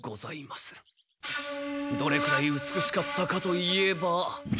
どれくらい美しかったかといえば。